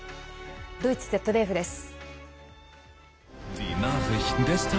ドイツＺＤＦです。